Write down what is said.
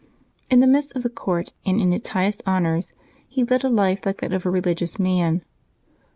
In the midst of the court, and in its highest honors, he led a life like that of a religious man.